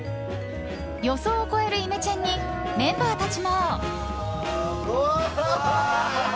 予想を超えるイメチェンにメンバーたちも。